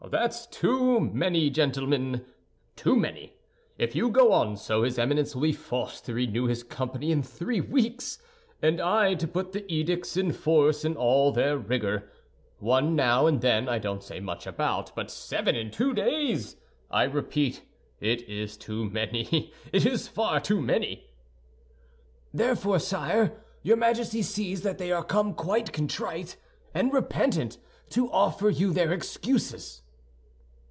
That's too many, gentlemen, too many! If you go on so, his Eminence will be forced to renew his company in three weeks, and I to put the edicts in force in all their rigor. One now and then I don't say much about; but seven in two days, I repeat, it is too many, it is far too many!" "Therefore, sire, your Majesty sees that they are come, quite contrite and repentant, to offer you their excuses."